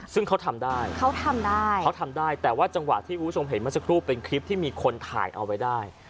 ซึ่งเขาทำได้เขาทำได้เขาทำได้แต่ว่าจังหวะที่คุณผู้ชมเห็นเมื่อสักครู่เป็นคลิปที่มีคนถ่ายเอาไว้ได้